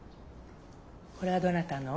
これはどなたの？